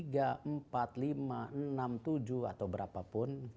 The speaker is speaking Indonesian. tiga empat lima enam tujuh atau berapapun